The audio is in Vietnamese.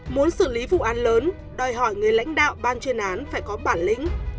muốn xử lý vụ án lớn đòi hỏi người lãnh đạo ban chuyên án phải có bản lĩnh